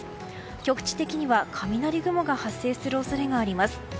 局地的には雷雲が発生する恐れがあります。